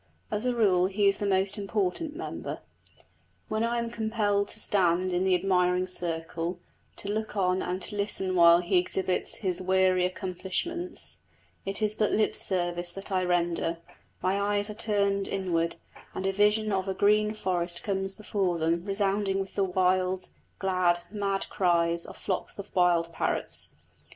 As a rule he is the most important member. When I am compelled to stand in the admiring circle, to look on and to listen while he exhibits his weary accomplishments, it is but lip service that I render: my eyes are turned inward, and a vision of a green forest comes before them resounding with the wild, glad, mad cries of flocks of wild parrots.